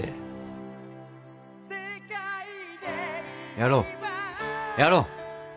やろうやろう。